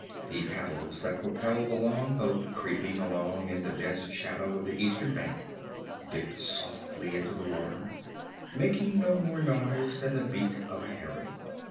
The paddles that propelled the long boat creeping along in the dense shadow of the eastern bank dipped softly into the water, making no more noise than the beak of a heron.